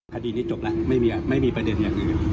คดีนี้จบแล้วไม่มีประเด็นอย่างอื่น